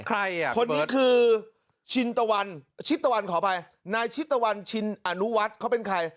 ใครอ่ะคนนี้คือชินตะวันชิตตะวันขออภัยนายชิตตะวันชินอนุวัฒน์เขาเป็นใคร